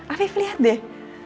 afif lihat deh